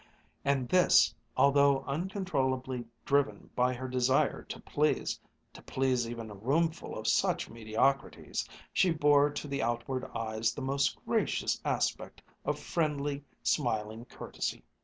And this, although uncontrollably driven by her desire to please, to please even a roomful of such mediocrities, she bore to the outward eyes the most gracious aspect of friendly, smiling courtesy.